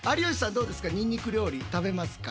どうですかニンニク料理食べますか？